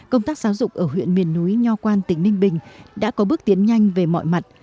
công tác giáo dục ở huyện miền núi nho quan tỉnh ninh bình đã có bước tiến nhanh về mọi mặt